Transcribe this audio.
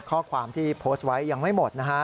ข้อความที่โพสต์ไว้ยังไม่หมดนะฮะ